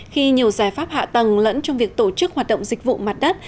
khi nhiều giải pháp hạ tầng lẫn trong việc tổ chức hoạt động dịch vụ mặt đất